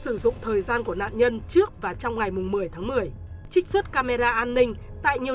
sử dụng thời gian của nạn nhân trước và trong ngày một mươi tháng một mươi trích xuất camera an ninh tại nhiều